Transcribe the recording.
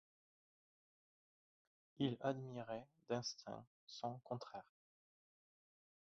Il admirait, d’instinct, son contraire.